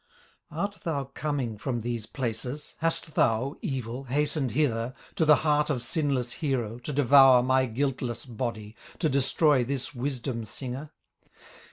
"Art thou coming from these places? Hast thou, evil, hastened hither, To the heart of sinless hero, To devour my guiltless body, To destroy this wisdom singer?